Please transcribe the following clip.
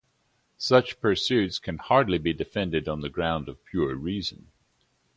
Such pursuits can hardly be defended on the ground of pure reason.